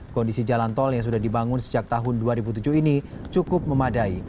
kondisi jalan tol yang sudah dibangun sejak tahun dua ribu tujuh ini cukup memadai